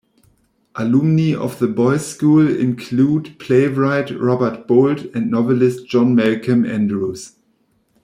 Alumni of the boys' school include playwright Robert Bolt and novelist John Malcolm Andrews.